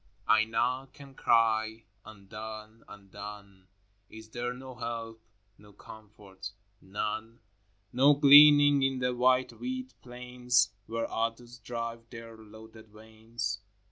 VIII. I knock and cry, — Undone, undone ! Is there no help, no comfort, — none? No gleaning in the wide wheat plains Where others drive their loaded wains?